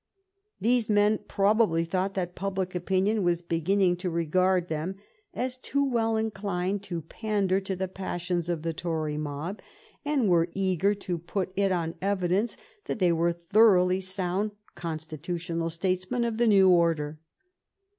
These men probably thought that public opinion was beginning to regard them as too well inclined to pander to the passions of the Tory mob, and were eager to put it on evidence that they were thoroughly sound constitutional states men of the new order.